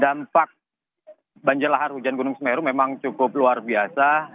dampak banjir lahar hujan gunung semeru memang cukup luar biasa